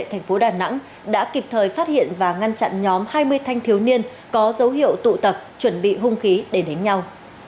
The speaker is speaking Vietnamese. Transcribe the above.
tp đà nẵng đã kịp thời phát hiện và ngăn chặn nhóm hai mươi thanh thiếu niên có dấu hiệu tụ tập chuẩn bị hung khí để đến nhau